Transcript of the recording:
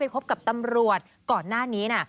พบกับตำรวจก่อนหน้านี้นะ